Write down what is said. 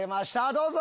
どうぞ！